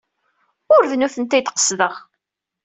Ur d nitenti ay d-qesdeɣ.